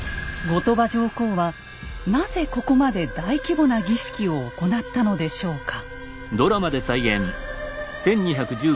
後鳥羽上皇はなぜここまで大規模な儀式を行ったのでしょうか？